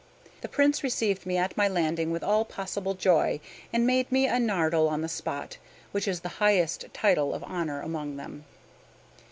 The Prince received me at my landing with all possible joy, and made me a Nardal on the spot, which is the highest title of honor among them.